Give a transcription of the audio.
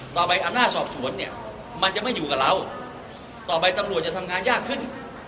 อำนาจสอบสวนเนี่ยมันจะไม่อยู่กับเราต่อไปตำรวจจะทำงานยากขึ้น